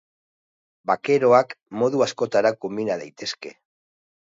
Bakeroak modu askotara konbina daitezke.